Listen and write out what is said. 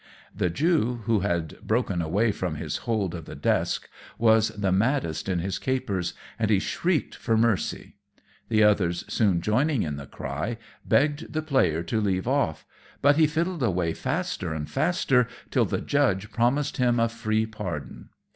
The Jew, who had broken away from his hold of the desk, was the maddest in his capers, and he shrieked for mercy; the others soon joining in the cry, begged the player to leave off, but he fiddled away faster and faster till the judge promised him a free pardon.